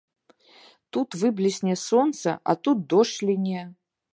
Тут выблісне сонца, а тут дождж ліне.